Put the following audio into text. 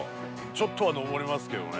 ちょっとは上りますけどね。